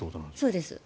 そうです。